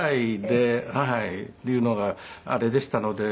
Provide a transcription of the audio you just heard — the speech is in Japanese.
っていうのがあれでしたので。